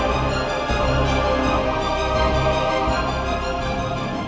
kenapa jaket sama kaca matanya masih dipakai